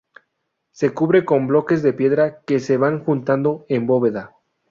Se cubre con bloques de piedra que se van juntando en bóveda.